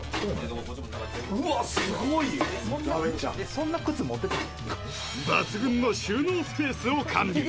そんな靴持ってたっけ？